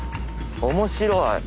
面白い。